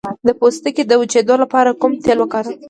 د پوستکي د وچیدو لپاره کوم تېل وکاروم؟